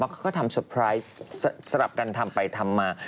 เขาก็ทำเตอร์ไพรส์สลับกันทำไปทำมา